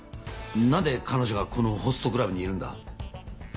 なんで彼女がこのホストクラブにいるんだ？